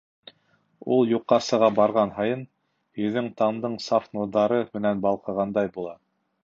Ул юҡҡа сыға барған һайын, йөҙөң таңдың саф нурҙары менән балҡығандай була!